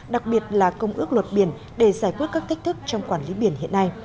đặc biệt là công ước luật biển để giải quyết các thách thức trong quản lý biển hiện nay